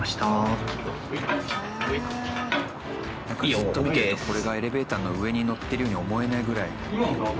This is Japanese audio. ずっと見てるとこれがエレベーターの上に乗ってるように思えないぐらい。